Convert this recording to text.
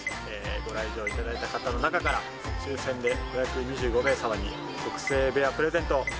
ご来場頂いた方の中から抽選で５２５名様に特製ベアグッズをプレゼント。